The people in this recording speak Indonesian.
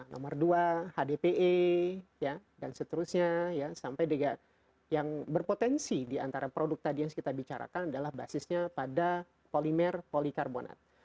nomor dua hdpe dan seterusnya sampai dengan yang berpotensi diantara produk tadi yang kita bicarakan adalah basisnya pada polimer polikarbonat